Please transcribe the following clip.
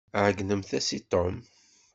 Ɛeyynemt-as i Tom.